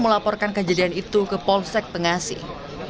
melaporkan kejadian itu ke polsek pengasih